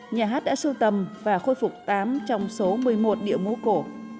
nhà hát đã sưu tầm và khôi phục tám trong số một mươi một điệu múa cổ